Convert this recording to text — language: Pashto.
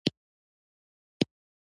د بستر د طبقې مقاومت د سرک ضخامت ټاکي